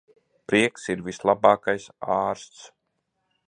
Prieks ir vislabākais ārsts.